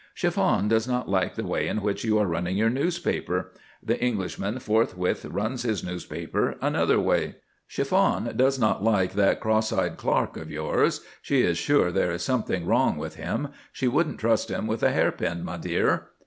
Chiffon does not like the way in which you are running your newspaper: the Englishman forthwith runs his newspaper another way. Chiffon does not like that cross eyed clerk of yours; she is sure there is something wrong about him; she wouldn't trust him with a hairpin, my dear!